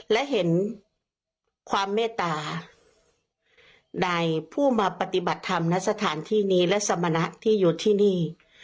และเห็นความเมตตาในผู้มาปฏิบัติธรรมณสถานที่นี้และสมณะที่อยู่ที่นี่